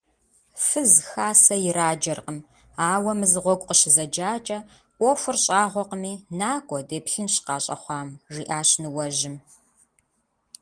Фыз хасэ ираджэркъым, ауэ мызыгъуэгу къыщызэджакӀэ, Ӏуэхур щӀагъуэкъыми, накӀуэ, деплъынщ къащӀэхъуам, – жиӏащ ныуэжьым.